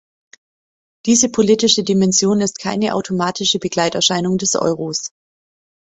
Diese politische Dimension ist keine automatische Begleiterscheinung des Euros.